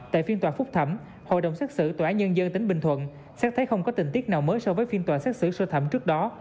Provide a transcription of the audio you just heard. tại phiên tòa phúc thẩm hội đồng xét xử tòa án nhân dân tỉnh bình thuận xét thấy không có tình tiết nào mới so với phiên tòa xét xử sơ thẩm trước đó